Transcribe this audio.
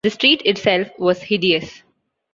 The street itself was hideous.